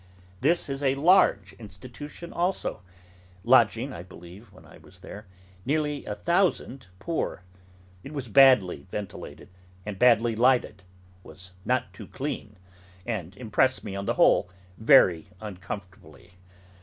This is a large Institution also: lodging, I believe, when I was there, nearly a thousand poor. It was badly ventilated, and badly lighted; was not too clean;—and impressed me, on the whole, very uncomfortably.